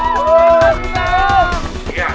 terus iya itu iya